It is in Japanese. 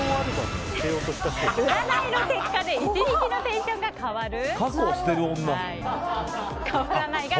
占いの結果で１日のテンションが変わる？